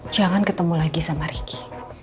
jangan ketemu lagi sama ricky